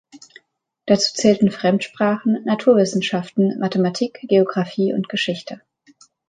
Dazu zählten Fremdsprachen, Naturwissenschaften, Mathematik, Geografie und Geschichte.